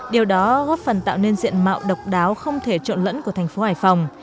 điều đó góp phần tạo nên diện mạo độc đáo không thể trộn lẫn của thành phố hải phòng